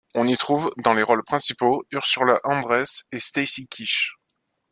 On y trouve dans les rôles principaux Ursula Andress et Stacy Keach.